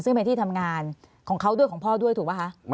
ซึ่งเป็นที่ทำงานของเขาด้วยของพ่อด้วยถูกป่ะคะ